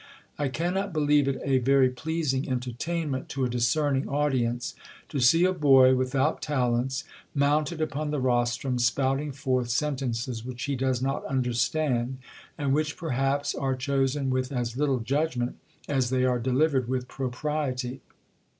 I cannot believe it a very pleasing entertainment to a discerning audience, to see a boy without talents, mounted upon the rostrum, spouting forth sentences which he does not understand, and which, perhaps, •are chosen with as little judgment as they are deliv ered with propriety.